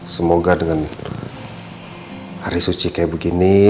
semoga dengan hari suci kayak begini